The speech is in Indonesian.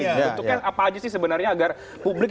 itu kan apa aja sih sebenarnya agar publik